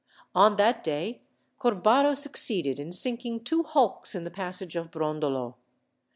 On that day, Corbaro succeeded in sinking two hulks in the passage of Brondolo.